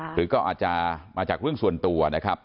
หรือก็อาจจะมาจากเรื่องส่วนตัวนะครับ